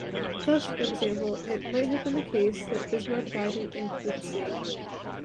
Thus, for example, it "might have been the case" that Bismarck died in infancy.